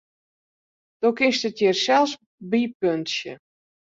Do kinst it hier sels bypuntsje.